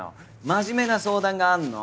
真面目な相談があんの。